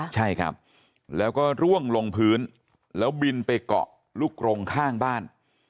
ใช่ครับแล้วก็ร่วงลงพื้นแล้วบินไปเกาะลูกกรงข้างบ้าน